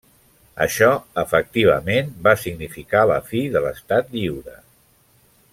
Això, efectivament, va significar la fi de l'estat lliure.